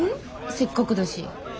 せっかくだし。